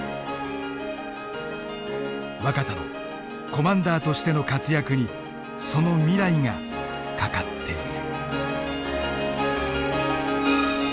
若田のコマンダーとしての活躍にその未来が懸かっている。